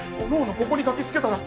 ここに駆けつけたら